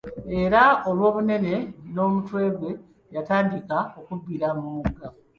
Era, olw'obunene bw'omutwe gwe , yatandika okubbira mu mugga.